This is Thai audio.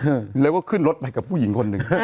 อืมแล้วก็ขึ้นรถไปกับผู้หญิงคนหนึ่ง